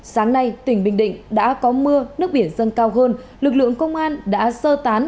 sáng nay tỉnh bình định đã có mưa nước biển dâng cao hơn lực lượng công an đã sơ tán